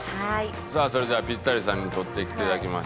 さあそれではピッタリさんに撮ってきていただきました